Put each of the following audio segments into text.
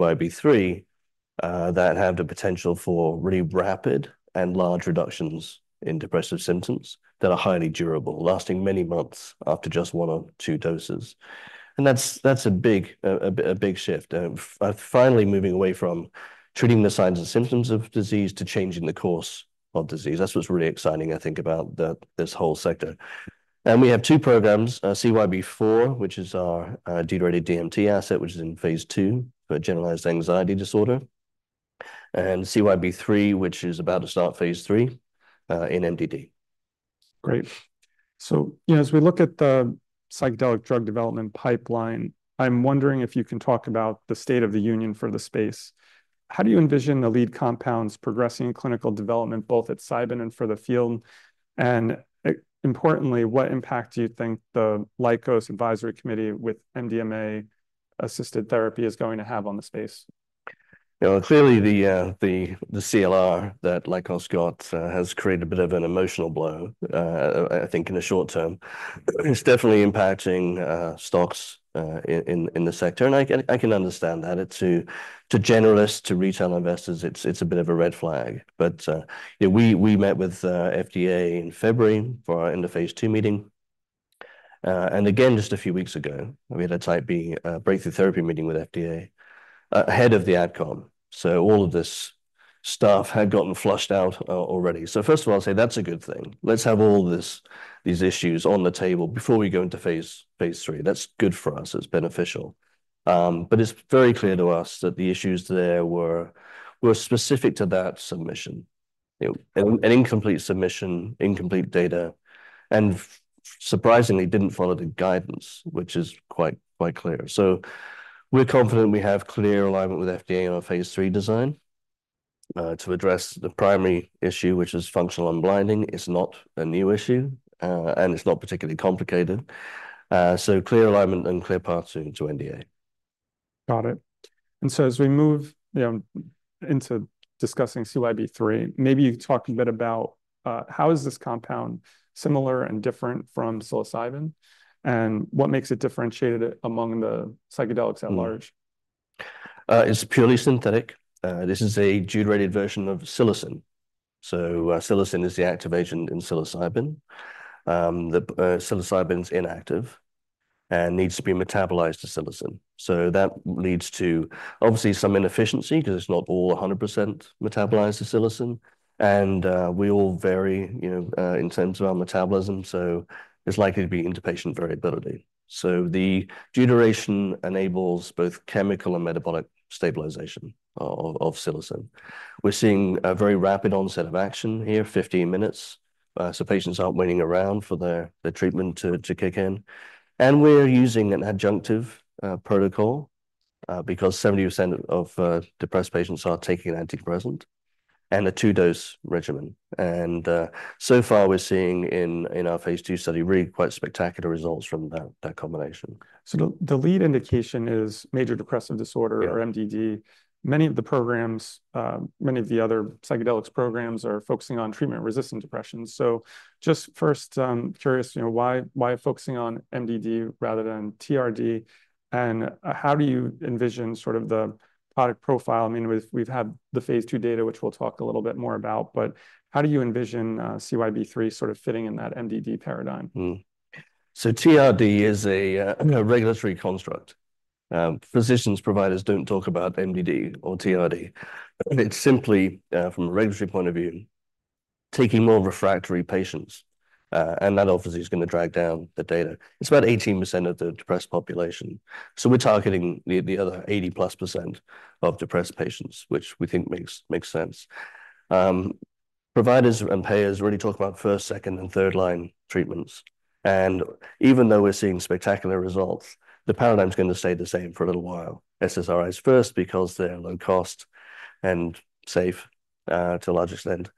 CYB003, that have the potential for really rapid and large reductions in depressive symptoms that are highly durable, lasting many months after just one or two doses. That's a big shift. Finally moving away from treating the signs and symptoms of disease to changing the course of disease. That's what's really exciting, I think, about this whole sector. We have two programs, CYB004, which is our deuterated DMT asset, which is in phase 2 for generalized anxiety disorder, and CYB003, which is about to start phase 3 in MDD. Great. So, you know, as we look at the psychedelic drug development pipeline, I'm wondering if you can talk about the state of the union for the space. How do you envision the lead compounds progressing in clinical development, both at Cybin and for the field? And importantly, what impact do you think the Lykos Advisory Committee with MDMA-assisted therapy is going to have on the space? You know, clearly, the CLR that Lykos got has created a bit of an emotional blow, I think in the short term. It's definitely impacting stocks in the sector, and I can understand that. It's to generalists, to retail investors, it's a bit of a red flag. But yeah, we met with FDA in February for our end of phase 2 meeting. And again, just a few weeks ago, we had a Type B Breakthrough Therapy meeting with FDA ahead of the AdCom. So all of this stuff had gotten flushed out already. So first of all, I'd say that's a good thing. Let's have all this, these issues on the table before we go into phase 3. That's good for us. It's beneficial. But it's very clear to us that the issues there were specific to that submission. You know, an incomplete submission, incomplete data, and surprisingly, didn't follow the guidance, which is quite clear. So we're confident we have clear alignment with FDA on our phase 3 design to address the primary issue, which is functional unblinding. It's not a new issue, and it's not particularly complicated. So clear alignment and clear path to NDA. Got it. And so, as we move, you know, into discussing CYB003, maybe you could talk a bit about how is this compound similar and different from psilocybin, and what makes it differentiated among the psychedelics at large? It's purely synthetic. This is a deuterated version of psilocin. So, psilocin is the activation in psilocybin. The psilocybin's inactive and needs to be metabolized to psilocin. So that leads to, obviously, some inefficiency, 'cause it's not all 100% metabolized to psilocin, and we all vary, you know, in terms of our metabolism, so there's likely to be interpatient variability. So the deuteration enables both chemical and metabolic stabilization of psilocin. We're seeing a very rapid onset of action here, 15 minutes, so patients aren't waiting around for their treatment to kick in. And we're using an adjunctive protocol because 70% of depressed patients are taking an antidepressant, and a two-dose regimen. So far, we're seeing in our phase 2 study really quite spectacular results from that combination. The lead indication is major depressive disorder. Yeah... or MDD. Many of the programs, many of the other psychedelics programs are focusing on treatment-resistant depression. So just first, curious, you know, why, why focusing on MDD rather than TRD, and, how do you envision sort of the product profile? I mean, we've had the phase 2 data, which we'll talk a little bit more about, but how do you envision, CYB003 sort of fitting in that MDD paradigm? So TRD is a, I mean, a regulatory construct. Physicians, providers don't talk about MDD or TRD. It's simply, from a regulatory point of view, taking more refractory patients, and that obviously is gonna drag down the data. It's about 18% of the depressed population, so we're targeting the other 80-plus% of depressed patients, which we think makes sense. Providers and payers really talk about first, second, and third-line treatments, and even though we're seeing spectacular results, the paradigm's gonna stay the same for a little while. SSRIs first, because they're low cost and safe, to a large extent.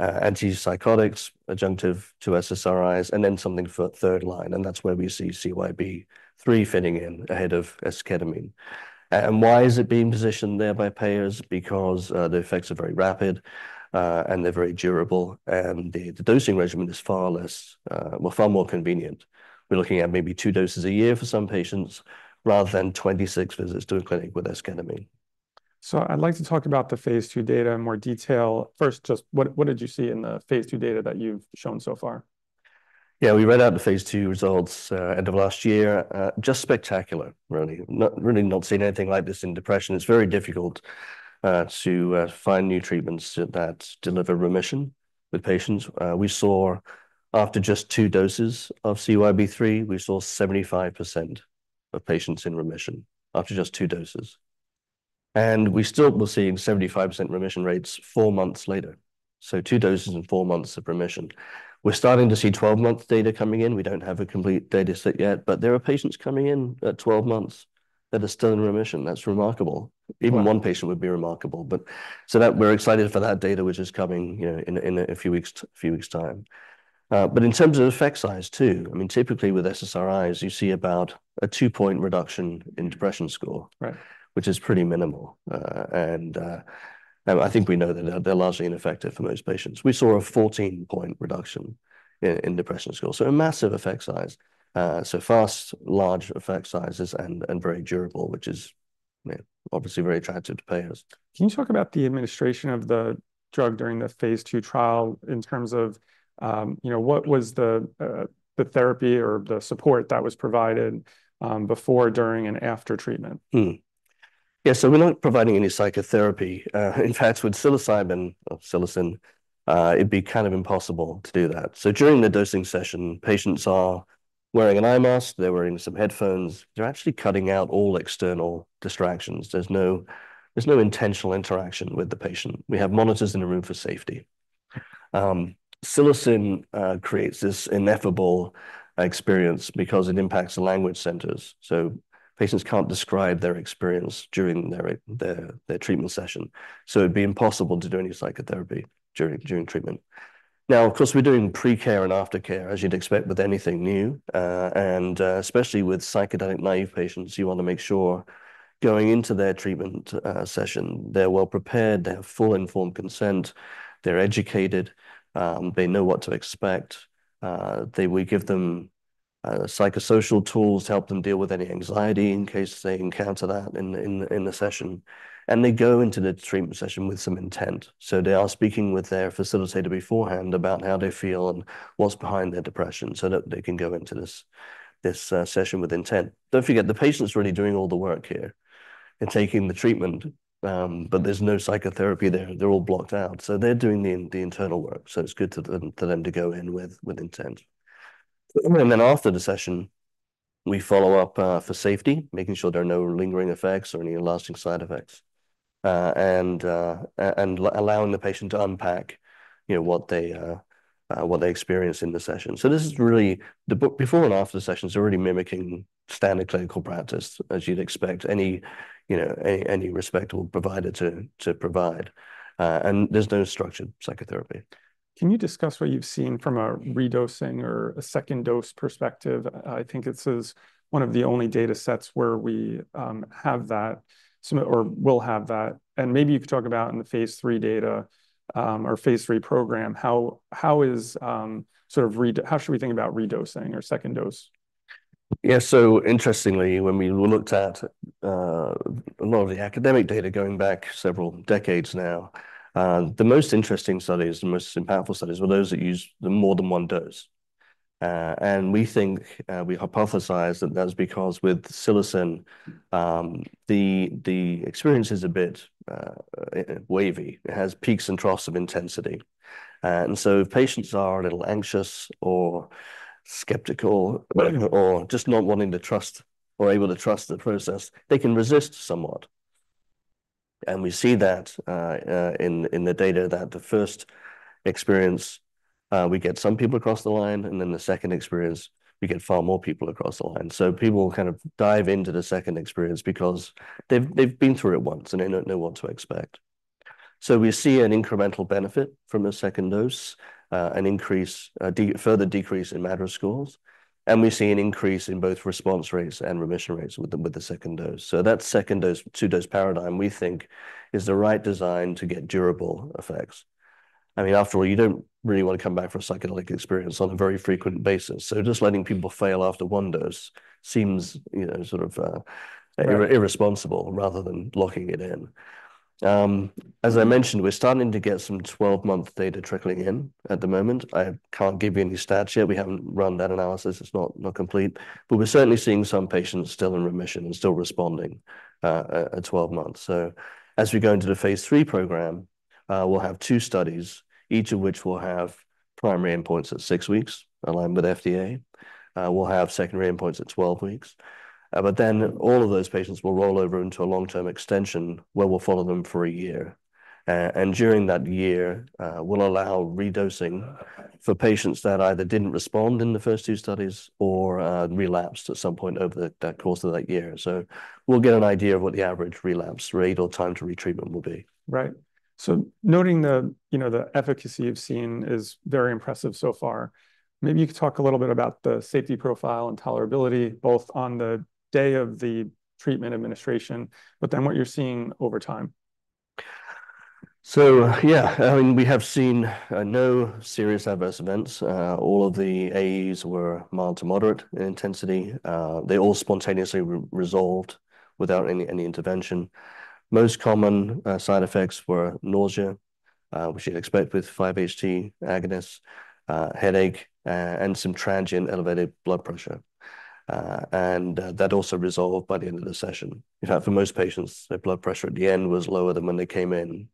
Antipsychotics, adjunctive to SSRIs, and then something for third line, and that's where we see CYB003 fitting in ahead of esketamine. And why is it being positioned there by payers? Because the effects are very rapid, and they're very durable, and the dosing regimen is far less, well, far more convenient. We're looking at maybe two doses a year for some patients, rather than 26 visits to a clinic with esketamine. So I'd like to talk about the phase 2 data in more detail. First, just what did you see in the phase 2 data that you've shown so far? Yeah, we read out the phase 2 results end of last year. Just spectacular, really. Not really seen anything like this in depression. It's very difficult to find new treatments that deliver remission with patients. We saw after just two doses of CYB003, we saw 75% of patients in remission after just two doses. And we still were seeing 75% remission rates four months later, so two doses and four months of remission. We're starting to see 12-month data coming in. We don't have a complete data set yet, but there are patients coming in at 12 months that are still in remission. That's remarkable. Wow! Even one patient would be remarkable. But we're excited for that data, which is coming, you know, in a few weeks' time. But in terms of effect size too, I mean, typically with SSRIs, you see about a two-point reduction in depression score- Right... which is pretty minimal. I think we know that they're largely ineffective for most patients. We saw a fourteen-point reduction in depression score, so a massive effect size. So fast, large effect sizes, and very durable, which is, you know, obviously very attractive to payers. Can you talk about the administration of the drug during the phase 2 trial in terms of, you know, what was the therapy or the support that was provided, before, during, and after treatment? Hmm. Yeah, so we're not providing any psychotherapy. In fact, with psilocybin, or psilocin, it'd be kind of impossible to do that. So during the dosing session, patients are wearing an eye mask, they're wearing some headphones. They're actually cutting out all external distractions. There's no intentional interaction with the patient. We have monitors in the room for safety. Psilocin creates this ineffable experience because it impacts the language centers, so patients can't describe their experience during their treatment session, so it'd be impossible to do any psychotherapy during treatment. Now, of course, we're doing pre-care and aftercare, as you'd expect with anything new, and especially with psychedelic-naive patients, you want to make sure going into their treatment session, they're well prepared, they have full informed consent, they're educated, they know what to expect. They... We give them psychosocial tools to help them deal with any anxiety in case they encounter that in the session, and they go into the treatment session with some intent. So they are speaking with their facilitator beforehand about how they feel and what's behind their depression so that they can go into this session with intent. Don't forget, the patient's really doing all the work here. They're taking the treatment, but there's no psychotherapy there. They're all blocked out. So they're doing the internal work, so it's good to them, for them to go in with intent. Then after the session, we follow up for safety, making sure there are no lingering effects or any lasting side effects, and allowing the patient to unpack, you know, what they experienced in the session. This is really the before and after the session, so we're really mimicking standard clinical practice, as you'd expect any respectable provider to provide, and there's no structured psychotherapy. Can you discuss what you've seen from a redosing or a second dose perspective? I think this is one of the only datasets where we have that, so or will have that. And maybe you could talk about in the phase 3 data, or phase 3 program, how should we think about redosing or second dose? Yeah, so interestingly, when we looked at a lot of the academic data going back several decades now, the most interesting studies, the most impactful studies, were those that used the more than one dose, and we think we hypothesize that that's because with psilocin, the experience is a bit wavy. It has peaks and troughs of intensity, and so if patients are a little anxious or skeptical or just not wanting to trust or able to trust the process, they can resist somewhat, and we see that in the data, that the first experience we get some people across the line, and then the second experience, we get far more people across the line, so people kind of dive into the second experience because they've been through it once, and they know what to expect. So we see an incremental benefit from a second dose, an increase, a further decrease in MADRS scores, and we see an increase in both response rates and remission rates with the second dose. So that second dose, two-dose paradigm, we think, is the right design to get durable effects. I mean, after all, you don't really want to come back for a psychedelic experience on a very frequent basis. So just letting people fail after one dose seems, you know, sort of, Right... irresponsible rather than locking it in. As I mentioned, we're starting to get some twelve-month data trickling in at the moment. I can't give you any stats yet. We haven't run that analysis. It's not complete. But we're certainly seeing some patients still in remission and still responding at twelve months. So as we go into the phase 3 program, we'll have two studies, each of which will have primary endpoints at six weeks, aligned with FDA. We'll have secondary endpoints at twelve weeks. But then all of those patients will roll over into a long-term extension, where we'll follow them for a year. And during that year, we'll allow redosing for patients that either didn't respond in the first two studies or relapsed at some point over the course of that year. So we'll get an idea of what the average relapse rate or time to retreatment will be. Right. So noting, you know, the efficacy you've seen is very impressive so far. Maybe you could talk a little bit about the safety profile and tolerability, both on the day of the treatment administration, but then what you're seeing over time. So yeah, I mean, we have seen no serious adverse events. All of the AEs were mild to moderate in intensity. They all spontaneously resolved without any intervention. Most common side effects were nausea, which you'd expect with 5-HT agonists, headache, and some transient elevated blood pressure. And that also resolved by the end of the session. In fact, for most patients, their blood pressure at the end was lower than when they came in,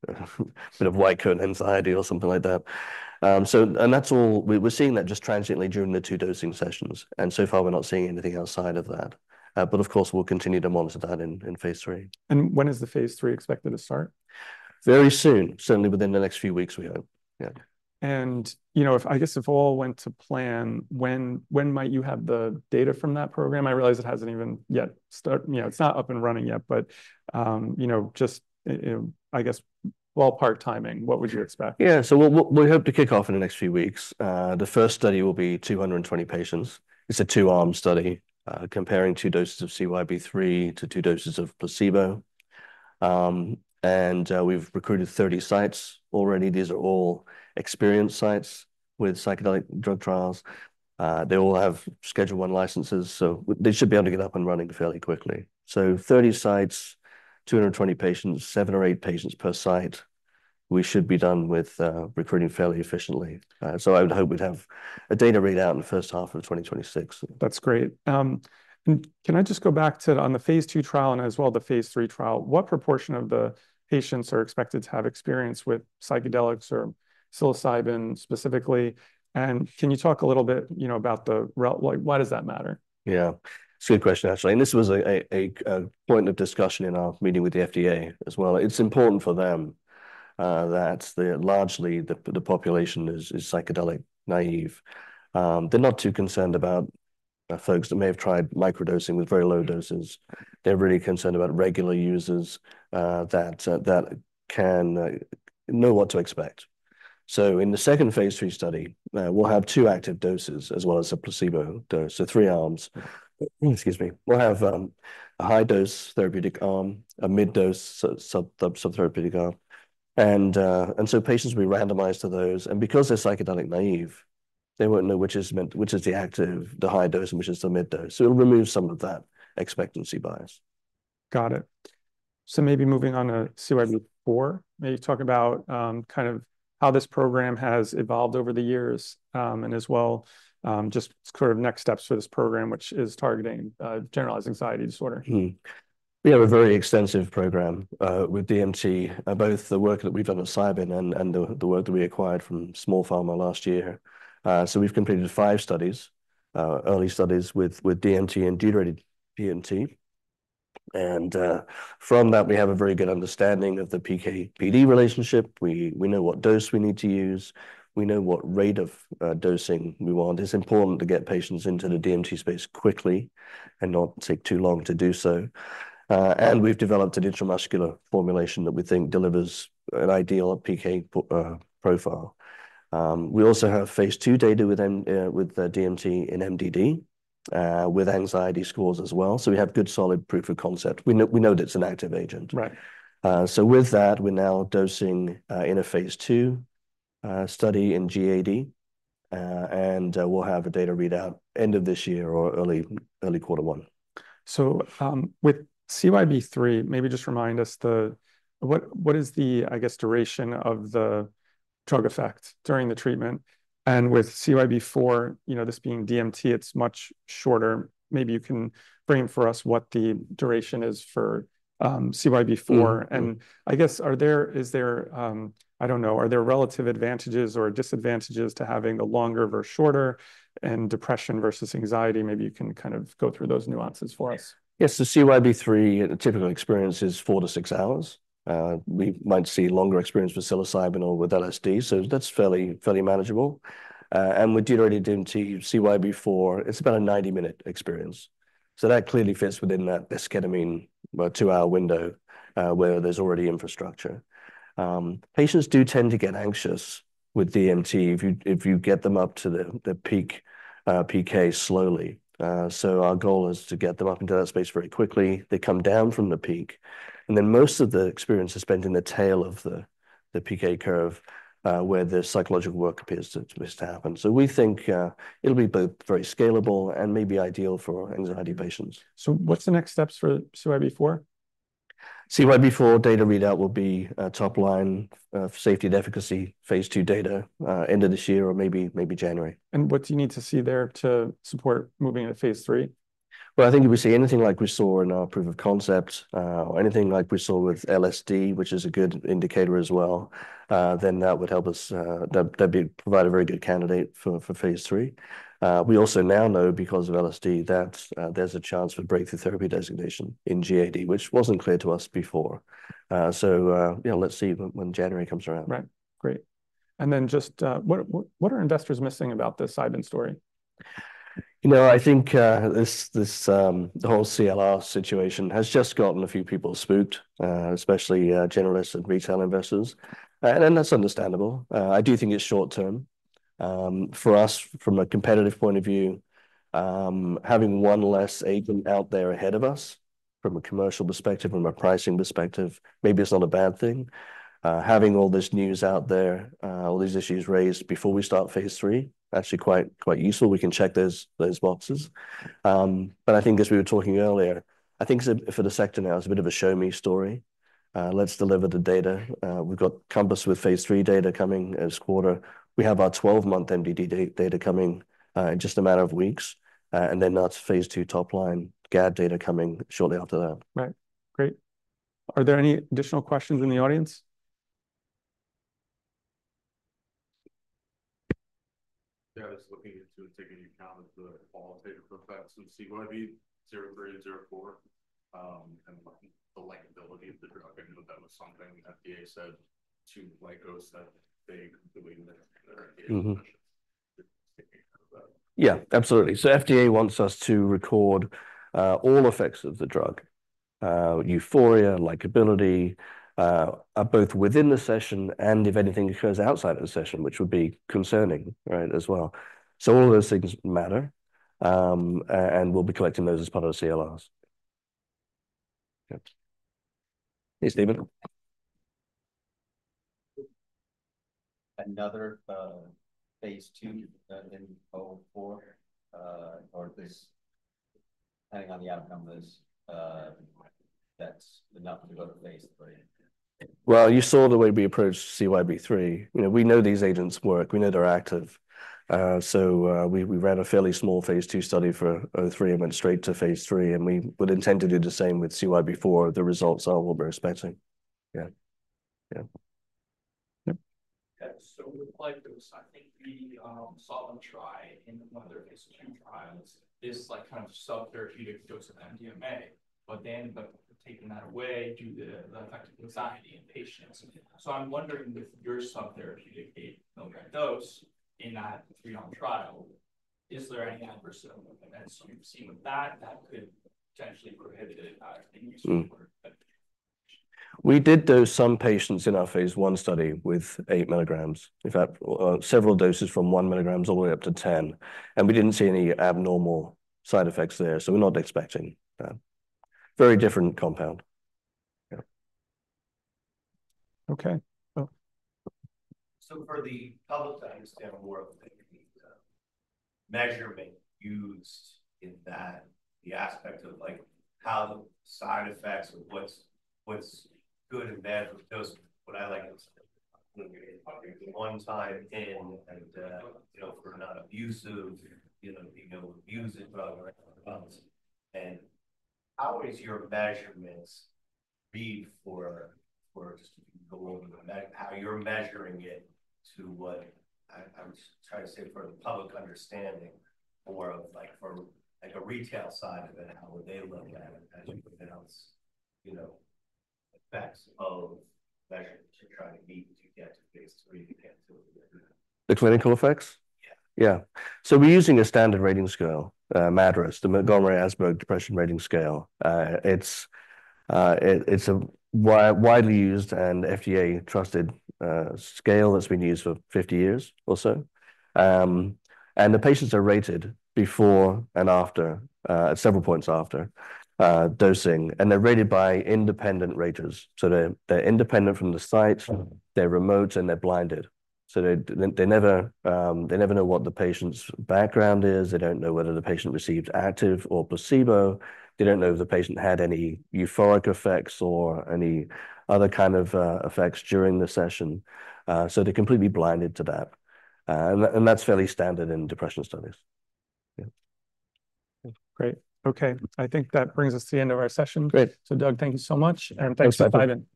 sort of white coat anxiety or something like that. We're seeing that just transiently during the two dosing sessions, and so far, we're not seeing anything outside of that. But of course, we'll continue to monitor that in phase three. When is the phase 3 expected to start? Very soon. Certainly within the next few weeks, we hope. Yeah. You know, if I guess if all went to plan, when might you have the data from that program? I realize it hasn't even started yet. You know, it's not up and running yet, but you know, just I guess, ballpark timing, what would you expect? Yeah. So we'll hope to kick off in the next few weeks. The first study will be 220 patients. It's a two-arm study, comparing two doses of CYB003 to two doses of placebo. We've recruited 30 sites already. These are all experienced sites with psychedelic drug trials. They all have Schedule I licenses, so they should be able to get up and running fairly quickly. So 30 sites, 220 patients, seven or eight patients per site, we should be done with recruiting fairly efficiently. So I would hope we'd have a data readout in the first half of 2026. That's great. And can I just go back to on the phase II trial and as well, the phase III trial, what proportion of the patients are expected to have experience with psychedelics or psilocybin specifically? And can you talk a little bit, you know, about why, why does that matter? Yeah, it's a good question, actually, and this was a point of discussion in our meeting with the FDA as well. It's important for them that largely, the population is psychedelic naive. They're not too concerned about folks that may have tried microdosing with very low doses. They're really concerned about regular users that can know what to expect. So in the second phase III study, we'll have two active doses as well as a placebo dose, so three arms. Excuse me. We'll have a high-dose therapeutic arm, a mid-dose sub-therapeutic arm, and so patients will be randomized to those, and because they're psychedelic naive, they won't know which is the active, the high dose, and which is the mid dose. So it'll remove some of that expectancy bias. Got it. So maybe moving on to CYB004, maybe talk about, kind of how this program has evolved over the years, and as well, just sort of next steps for this program, which is targeting, generalized anxiety disorder. Mm-hmm. We have a very extensive program with DMT, both the work that we've done with Cybin and the work that we acquired from Small Pharma last year, so we've completed five studies, early studies with DMT and deuterated DMT, and from that, we have a very good understanding of the PK/PD relationship. We know what dose we need to use, we know what rate of dosing we want. It's important to get patients into the DMT space quickly and not take too long to do so. And we've developed an intramuscular formulation that we think delivers an ideal PK profile. We also have phase II data with DMT in MDD with anxiety scores as well, so we have good, solid proof of concept. We know that it's an active agent. Right. So with that, we're now dosing in a phase II study in GAD, and we'll have a data readout end of this year or early quarter one. With CYB003, maybe just remind us what is the, I guess, duration of the drug effect during the treatment? And with CYB004, you know, this being DMT, it's much shorter. Maybe you can frame for us what the duration is for CYB004. Mm-hmm. I guess, is there, I don't know, are there relative advantages or disadvantages to having a longer versus shorter, and depression versus anxiety? Maybe you can kind of go through those nuances for us. Yes. So CYB003, the typical experience is four to six hours. We might see longer experience with psilocybin or with LSD, so that's fairly manageable. And with deuterated DMT, CYB004, it's about a ninety-minute experience. So that clearly fits within that esketamine two-hour window, where there's already infrastructure. Patients do tend to get anxious with DMT if you get them up to the peak PK slowly. So our goal is to get them up into that space very quickly. They come down from the peak, and then most of the experience is spent in the tail of the PK curve, where the psychological work appears to happen. So we think it'll be both very scalable and maybe ideal for anxiety patients. So what's the next steps for CYB004? CYB004 data readout will be top line safety and efficacy phase II data end of this year or maybe, maybe January. What do you need to see there to support moving into phase III? I think if we see anything like we saw in our proof of concept, or anything like we saw with LSD, which is a good indicator as well, then that would help us. That'd provide a very good candidate for phase III. We also now know, because of LSD, that there's a chance for breakthrough therapy designation in GAD, which wasn't clear to us before, so yeah, let's see when January comes around. Right. Great. And then just, what are investors missing about the Cybin story? You know, I think this the whole CLR situation has just gotten a few people spooked, especially generalist and retail investors, and that's understandable. I do think it's short term. For us, from a competitive point of view, having one less agent out there ahead of us from a commercial perspective, from a pricing perspective, maybe it's not a bad thing. Having all this news out there, all these issues raised before we start phase III, actually quite useful. We can check those boxes, but I think as we were talking earlier, I think for the sector now, it's a bit of a show me story. Let's deliver the data. We've got Compass with phase III data coming this quarter. We have our twelve-month MDD data coming in just a matter of weeks, and then that's phase II top line GAD data coming shortly after that. Right. Great. Are there any additional questions in the audience? Yeah, just looking into taking account of the qualitative effects of CYB003 and CYB004, and the likability of the drug. I know that was something FDA said to Lykos, that they believed that- Mm-hmm... Yeah, absolutely. So FDA wants us to record all effects of the drug, euphoria, likeability, both within the session and if anything occurs outside of the session, which would be concerning, right, as well. So all of those things matter, and we'll be collecting those as part of the CLRs. Yep. Hey, Steven. Another phase two in CYB004, or this, depending on the outcome of this, that's enough to go to phase three. You saw the way we approached CYB003. You know, we know these agents work. We know they're active. We ran a fairly small phase two study for CYB003 and went straight to phase three, and we would intend to do the same with CYB004. The results are what we're expecting. Yeah. Yeah. Yep. Yeah, so with, like, those, I think we saw them try in one of their phase two trials, this, like, kind of subtherapeutic dose of MDMA, but then taking that away, due to the effect of anxiety in patients. So I'm wondering with your subtherapeutic eight milligram dose in that three-arm trial, is there any adverse events you've seen with that, that could potentially prohibit it in use? We did dose some patients in our phase one study with eight milligrams. In fact, several doses from one milligrams all the way up to 10, and we didn't see any abnormal side effects there, so we're not expecting that. Very different compound. Yeah. Okay, well. So for the public to understand more of the measurement used in that, the aspect of, like, how the side effects or what's good and bad for the dose, what I like is one time in and, you know, for not abusive, you know, abuse the drug. And how is your measurements read for just the world, how you're measuring it to what I, I'm trying to say, for the public understanding, more of like for like a retail side of it, how would they look at it as you pronounce, you know, effects of measurement to try to meet, to get to phase three? The clinical effects? Yeah. Yeah. So we're using a standard rating scale, MADRS, the Montgomery-Åsberg Depression Rating Scale. It's a widely used and FDA trusted scale that's been used for fifty years or so. The patients are rated before and after several points after dosing, and they're rated by independent raters. So they're independent from the site, they're remote, and they're blinded. So they never know what the patient's background is. They don't know whether the patient received active or placebo. They don't know if the patient had any euphoric effects or any other kind of effects during the session. So they're completely blinded to that. And that's fairly standard in depression studies. Yeah. Great. Okay, I think that brings us to the end of our session. Great. Doug, thank you so much, and thanks for dialing.